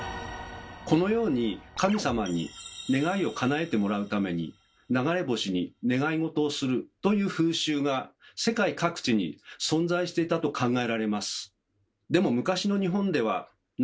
このように神様に願いをかなえてもらうために流れ星に願いごとをするという風習が世界各地に存在していたと考えられます。